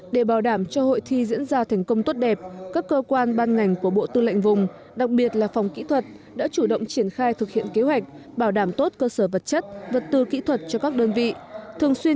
để bảo đảm cho hội thi diễn ra thành công tốt đẹp các cơ quan ban ngành của bộ tư lệnh vùng